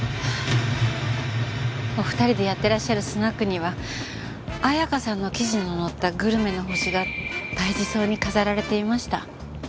お二人でやってらっしゃるスナックには彩華さんの記事の載った『グルメの星』が大事そうに飾られていました。